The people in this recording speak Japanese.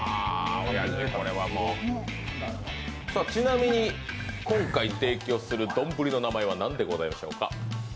ちなみに今回提供する丼の名前は何でございましょうか？